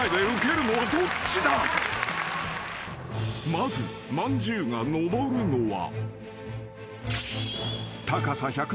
［まずまんじゅうが上るのは］